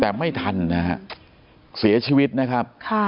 แต่ไม่ทันนะฮะเสียชีวิตนะครับค่ะ